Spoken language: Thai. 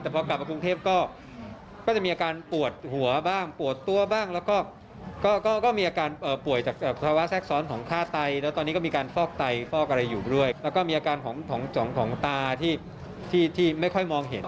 แต่พอกลับมากรุงเทพก็จะมีอาการปวดหัวบ้างปวดตัวบ้างแล้วก็ก็มีอาการป่วยจากภาวะแทรกซ้อนของฆ่าไตแล้วตอนนี้ก็มีการฟอกไตฟอกอะไรอยู่ด้วยแล้วก็มีอาการของตาที่ไม่ค่อยมองเห็น